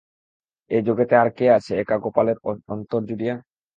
এ জগতে আর কে আছে একা গোপালের অস্তর জুড়িয়া?